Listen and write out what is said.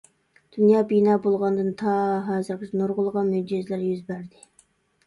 دۇنيا بىنا بولغاندىن تا ھازىرغىچە نۇرغۇنلىغان مۆجىزىلەر يۈز بەردى.